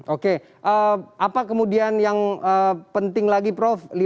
oke apa kemudian yang penting lagi prof